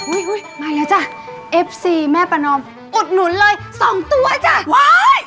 อุ้ยมาแล้วจ้ะเอฟซีแม่ประนอมอุดหนุนเลยสองตัวจ้ะว้าย